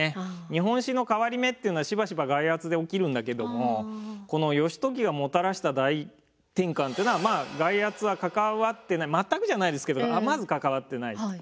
日本史の変わり目っていうのはしばしば外圧で起きるんだけどもこの義時がもたらした大転換というのはまあ外圧は関わってない全くじゃないですけどまず関わってない。